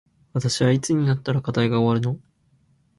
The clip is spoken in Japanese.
私はいつになったら課題が終わるの